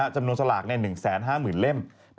จำนวนสลาก๑๕๐๐๐๐๐เล่ม